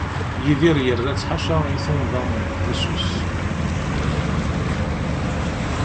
Yidir yerra-tt ḥaca i tunḍa deg ussu-s.